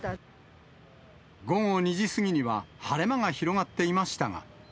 午後２時過ぎには晴れ間が広がっていましたが。